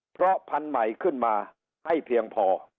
เพราะพันธุ์ใหม่ขึ้นมาให้เพียงพอ